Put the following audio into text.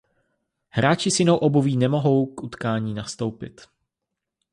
Hráči s jinou obuví nemohou k utkání nastoupit.